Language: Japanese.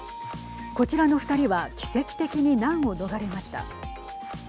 こちらの２人は奇跡的に難を逃れました。